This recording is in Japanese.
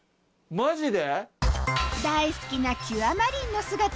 マジで？